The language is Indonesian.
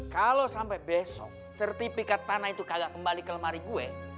kalau sampai besok sertifikat tanah itu kagak kembali ke lemari gue